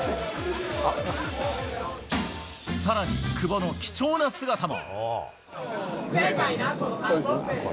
さらに、久保の貴重な姿も。